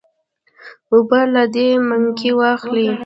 اوبۀ له دې منګي واخله